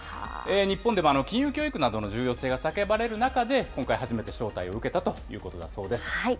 日本でも金融教育などの重要性が叫ばれる中で、今回初めて招待を受けたということだそうです。